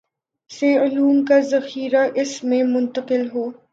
سے علوم کا ذخیرہ اس میں منتقل ہو